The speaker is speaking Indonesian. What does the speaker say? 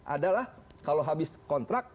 adalah kalau habis kontrak